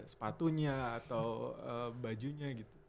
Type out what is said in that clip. sepatunya atau bajunya gitu